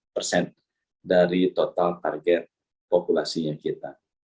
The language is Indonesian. persen dari total target populasinya kita